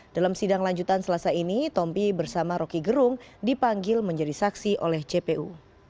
dalam sidang lanjutan selasa ini tompi bersama roky gerung dipanggil menjadi saksi oleh cpu